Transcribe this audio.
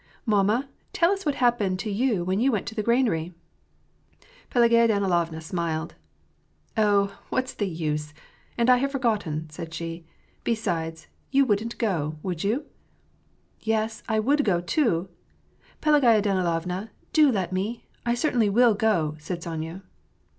'< Mamma, tell us what happened to you when you went to the granary ?" Pelagaya Danilovna smiled. ^^ Oh, what's the use ! and I have forgotten," said she. ^'Be sides, you wouldn't go, would you ?"" Yes, I would go, too ; Pelagaya Danilovna, do let me ; I certainly will go," said Sonya.